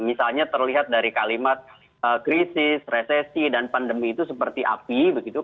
misalnya terlihat dari kalimat krisis resesi dan pandemi itu seperti api